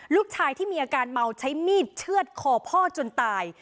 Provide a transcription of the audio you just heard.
ลูกชายที่มีอาการเมาใช้มีดเชื่อดคอพ่อจนตาย